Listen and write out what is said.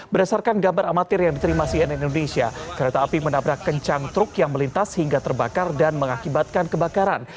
berdasarkan gambar amatir yang diterima cnn indonesia kereta api menabrak kencang truk yang melintas hingga terbakar dan mengakibatkan kebakaran